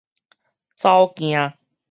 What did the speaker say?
走健